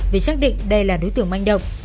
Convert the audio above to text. vì xác định đây là đối tượng manh động